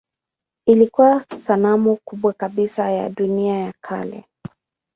Ilikuwa sanamu kubwa kabisa ya dunia ya kale.